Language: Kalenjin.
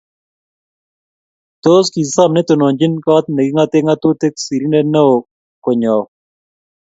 Tos kisom netononchini kot nekingate ngatutik sirndet neo konyo au?